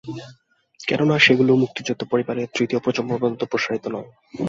কেননা, সেগুলো মুক্তিযোদ্ধা পরিবারের তৃতীয় প্রজন্ম পর্যন্ত প্রসারিত নয়।